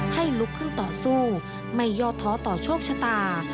ลุกขึ้นต่อสู้ไม่ยอดท้อต่อโชคชะตา